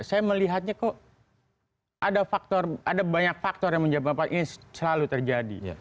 saya melihatnya kok ada faktor ada banyak faktor yang menyebabkan ini selalu terjadi